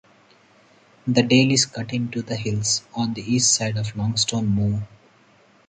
The dale is cut into the hills on the east side of Longstone Moor.